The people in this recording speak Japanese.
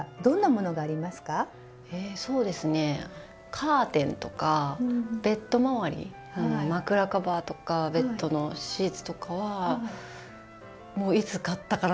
カーテンとかベッド周り枕カバーとかベッドのシーツとかはもういつ買ったかなっていうぐらい長く使っているかな。